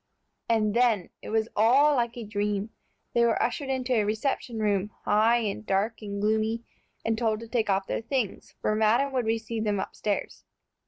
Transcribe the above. And then, it was all like a dream! They were ushered into a reception room, high and dark and gloomy, and told to take off their things, for madam would receive them upstairs.